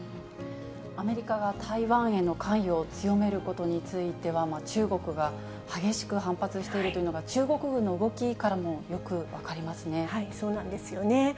アメリカが台湾への関与を強めることについては、中国が激しく反発しているというのが、中国軍の動きからもよく分そうなんですよね。